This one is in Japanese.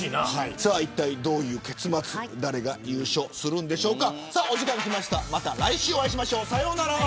どういう結末誰が優勝するんでしょうか。